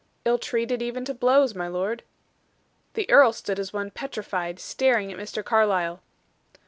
"Ill treated even to blows, my lord." The earl stood as one petrified, staring at Mr. Carlyle.